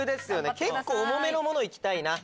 結構重めのもの行きたいな。